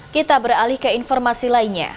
kita beralih ke informasi lainnya